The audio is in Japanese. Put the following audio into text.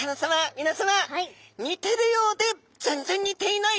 みなさま似てるようで全然似ていない